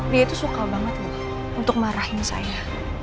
dia itu suka banget untuk marahin saya